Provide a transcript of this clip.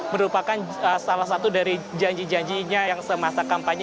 merupakan salah satu dari janji janjinya yang semasa kampanye